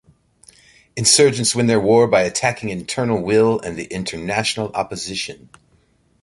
Insurgents win their war by attacking internal will and the international opposition.